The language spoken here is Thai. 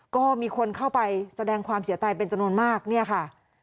ก็มีคนเข้าไปแสดงความเสียใจเป็นจำนวนมากเนี่ยค่ะ